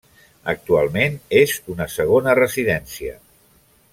Actualment és una segona residència.